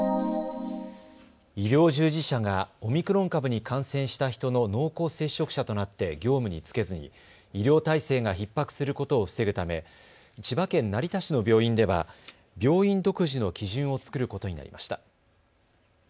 医療従事者がオミクロン株に感染した人の濃厚接触者となって業務に就けずに医療体制がひっ迫することを防ぐため千葉県成田市の病院では病院独自の基準を作ることになりました。